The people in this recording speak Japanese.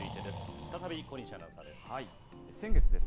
再び小西アナウンサーです。